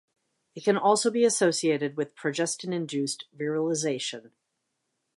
It can also be associated with progestin-induced virilisation.